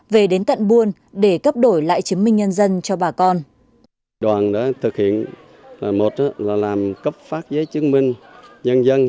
về đến tận buôn để cấp đổi lại chứng minh nhân dân